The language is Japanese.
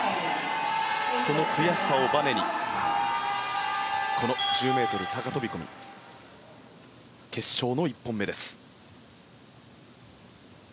その悔しさをばねにこの１０ｍ高飛込決勝の１本目です。